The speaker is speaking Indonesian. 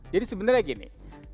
jadi sebenarnya gini